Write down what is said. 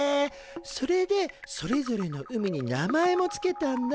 それでそれぞれの海に名前も付けたんだ。